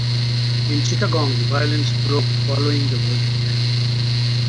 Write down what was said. In Chittagong violence broke following the verdict.